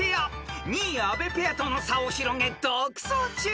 ［２位阿部ペアとの差を広げ独走中］